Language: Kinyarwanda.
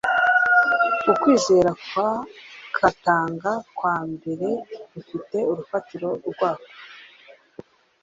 Ukwizera kwa Katanga ka mbere gufite urufatiro rwako